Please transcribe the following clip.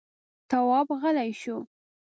تواب غلی شو.